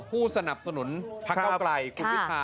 ผู้สนับสนุนภาคเก้าไกร